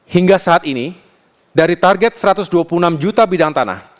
hingga saat ini dari target satu ratus dua puluh enam juta bidang tanah